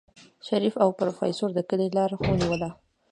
شريف او پروفيسر د کلي لار ونيوله.